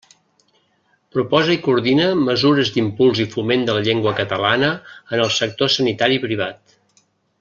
Proposa i coordina mesures d'impuls i foment de la llengua catalana en el sector sanitari privat.